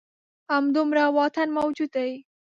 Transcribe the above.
همدومره واټن موجود دی.